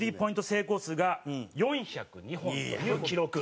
成功数が４０２本という記録。